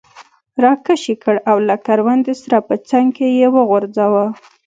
را کش یې کړ او له کروندې سره په څنګ کې یې وغورځاوه.